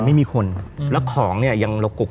แต่ไม่มีคนแล้วของเนี้ยยังลบกุก